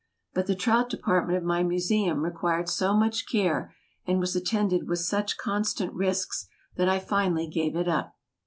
But the trout department of my Museum required so much care, and was attended with such constant risks, that I finally gave it up.